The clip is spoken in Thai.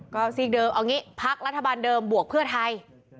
ก็ซีกเดิมเอางี้พักรัฐบาลเดิมบวกเพื่อไทย